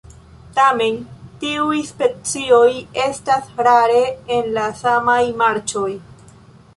Tamen tiuj specioj estas rare en la samaj marĉoj.